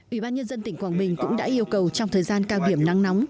ủy ban nhân dân tỉnh quảng bình cũng đã yêu cầu trong thời gian cao điểm nắng nóng